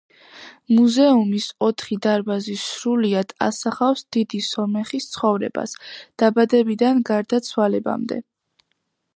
მუზეუმის ოთხი დარბაზი სრულიად ასახავს დიდი სომეხის ცხოვრებას, დაბადებიდან გარდაცვალებამდე.